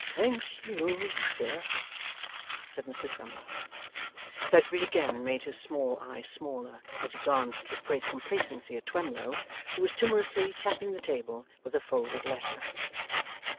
'Thank you, sir,' said Mr Twemlow. Fledgeby again made his small eyes smaller, as he glanced with great complacency at Twemlow, who was timorously tapping the table with a folded letter.